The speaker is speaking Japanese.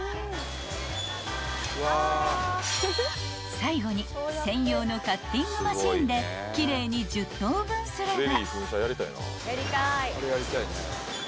［最後に専用のカッティングマシーンで奇麗に１０等分すれば］